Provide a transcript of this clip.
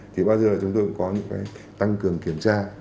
thì bao giờ chúng tôi cũng có những cái tăng cường kiểm tra